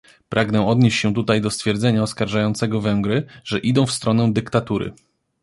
Pragnę odnieść się tutaj do stwierdzenia oskarżającego Węgry, że idą w stronę dyktatury